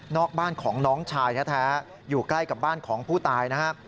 บ้านของน้องชายแท้อยู่ใกล้กับบ้านของผู้ตายนะครับ